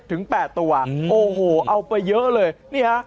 ต่อลงมา๗๘ตัวโอ้โหเอาไปเยอะเลย